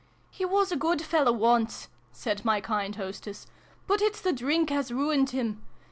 "He was a good fellow once," said my kind hostess :" but it's the drink has ruined him